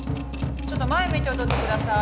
ちょっと前向いて踊ってください。